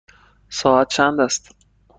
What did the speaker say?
ساعت چند است؟